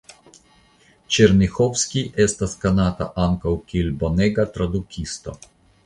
Ĉerniĥovskij estas konata ankaŭ kiel bonega tradukisto.